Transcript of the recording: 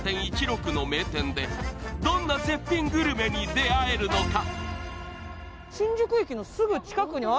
４．１６の名店でどんな絶品グルメに出会えるのか？